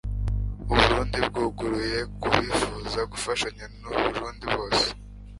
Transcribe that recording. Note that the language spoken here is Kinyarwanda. uburundi byuguruye ku bifuza gufashanya n'uburundi bose